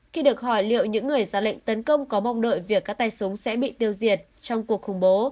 khi được hỏi liệu những người ra lệnh tấn công có mong đợi việc các tay súng sẽ bị tiêu diệt trong cuộc khủng bố